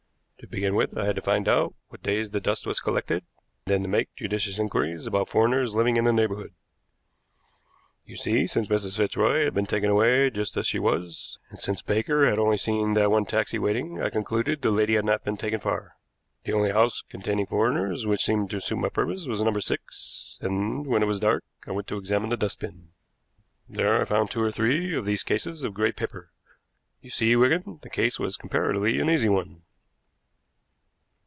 To begin with, I had to find out what days the dust was collected, then to make judicious inquiries about foreigners living in the neighborhood. You see, since Mrs. Fitzroy had been taken away just as she was, and since Baker had only seen that one taxi waiting, I concluded the lady had not been taken far. The only house containing foreigners which seemed to suit my purpose was No. 6, and, when it was dark, I went to examine the dust bin. There I found two or three of these cases of gray paper. You see, Wigan, the case was comparatively an easy one."